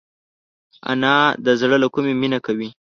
انا د زړه له کومي مینه کوي